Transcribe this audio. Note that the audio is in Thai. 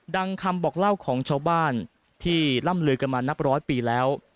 คำบอกเล่าของชาวบ้านที่ล่ำลือกันมานับร้อยปีแล้ว